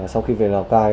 sau khi về lào cai